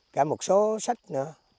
cả một số sách nữa